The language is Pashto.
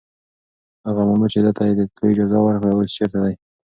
هغه مامور چې ده ته يې د تلو اجازه ورکړه اوس چېرته دی؟